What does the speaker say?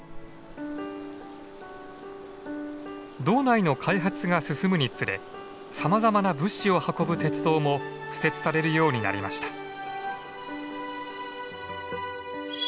道内の開発が進むにつれさまざまな物資を運ぶ鉄道も敷設されるようになりました。